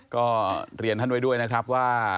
ก็เรียนท่านไว้ด้วยนะครับว่า